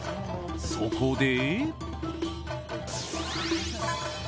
そこで。